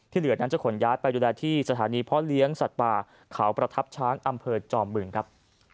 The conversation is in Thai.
เหลือนั้นจะขนย้ายไปดูแลที่สถานีพ่อเลี้ยงสัตว์ป่าเขาประทับช้างอำเภอจอมบึงครับ